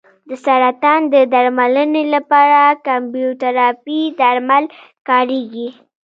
د سرطان د درملنې لپاره کیموتراپي درمل کارېږي.